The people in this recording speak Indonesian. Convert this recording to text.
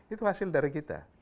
itu hasil dari kita